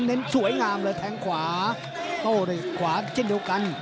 แล้วแทงขวาโต้ด้วยขวาเช่นเดียวกัน